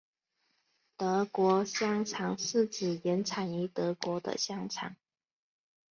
德国香肠是指原产于德国的香肠。